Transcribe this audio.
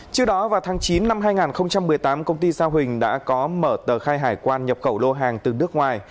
trước đó vào tháng chín năm hai nghìn một mươi tám công ty sa huỳnh đã có mở tờ khai hải quan nhập khẩu lô hàng từ nước ngoài